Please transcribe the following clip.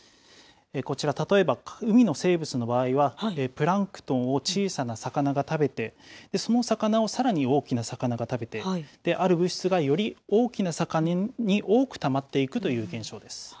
こちら例えば、海の生物の場合は、プランクトンを小さな魚が食べて、その魚をさらに大きな魚が食べて、ある物質がより大きな魚に多くたまっていくという現象です。